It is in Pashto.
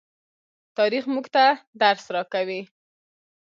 تاریخ موږ ته درس راکوي.